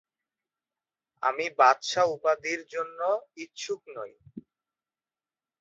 আমি বাদশাহ উপাধির জন্য ইচ্ছুক নই।